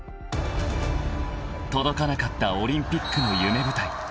［届かなかったオリンピックの夢舞台］